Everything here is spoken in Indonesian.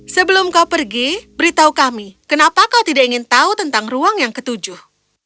sebelum kau pergi beritahu kami kenapa kau tidak ingin tahu tentang ruang yang ketujuh